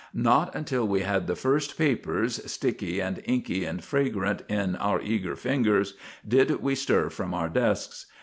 Not until we had the first papers, sticky and inky and fragrant, in our eager fingers, did we stir from our desks.